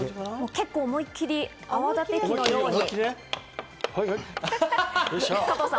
結構思いっきり、泡だて器のように。